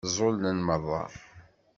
Ẓẓulen meṛṛa.